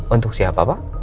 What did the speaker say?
untuk siapa pak